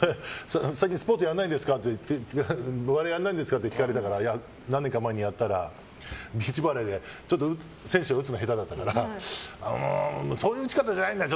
スポーツやらないんですかって聞かれたからいや、何年か前にやったらビーチバレーで選手が打つの下手だったからそういう打ち方じゃないんだよ